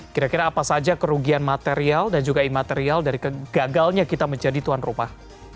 kira kira apa saja kerugian material dan juga imaterial dari gagalnya kita menjadi tuan rumah